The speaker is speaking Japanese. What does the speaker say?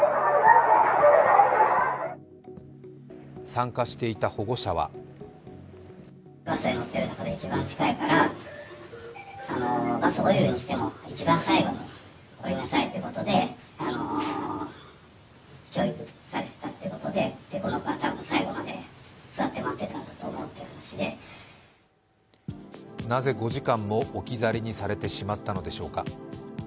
参加していた保護者はなぜ５時間も置き去りにされてしまったのでしょうか。